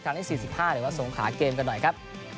ที่๔๕หรือว่าสงขาเกมกันหน่อยครับ